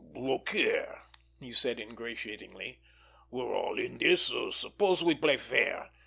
"Look here," he said ingratiatingly, "we're all in this. Suppose we play fair.